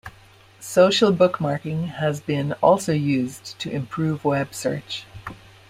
Social bookmarking has been also used to improve web search.